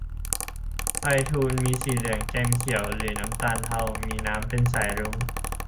ไพฑูรย์ มีสีเหลืองแกมเขียว หรือน้ำตาลเทา มีน้ำเป็นสายรุ้ง